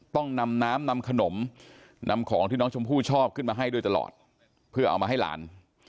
ต้องนำน้ำนำขนมนำของที่น้องชมพู่ชอบขึ้นมาให้ด้วยตลอดเพื่อเอามาให้หลาน